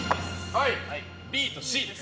ＢとＣです。